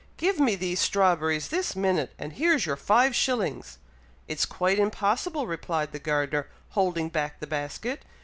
Give me these strawberries this minute, and here's your five shillings!" "It's quite impossible," replied the gardener, holding back the basket.